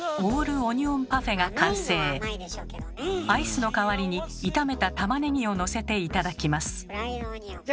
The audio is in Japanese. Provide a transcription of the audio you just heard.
アイスの代わりに炒めたたまねぎをのせて頂きます。